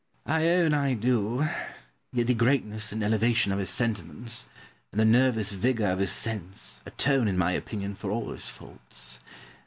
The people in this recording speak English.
Pope. I own I do; yet the greatness and elevation of his sentiments, and the nervous vigour of his sense, atone, in my opinion, for all his faults.